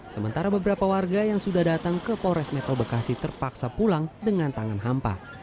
sementara beberapa warga yang sudah datang ke pores metro bekasi terpaksa pulang dengan tangan hampa